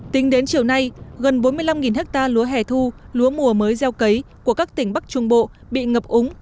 tính đến chiều nay gần bốn mươi năm ha lúa hẻ thu lúa mùa mới gieo cấy của các tỉnh bắc trung bộ bị ngập úng